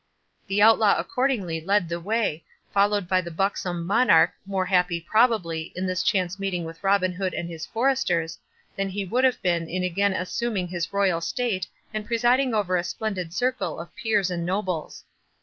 The Outlaw accordingly led the way, followed by the buxom Monarch, more happy, probably, in this chance meeting with Robin Hood and his foresters, than he would have been in again assuming his royal state, and presiding over a splendid circle of peers and nobles.